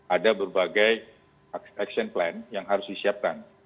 ada berbagai action plan yang harus disiapkan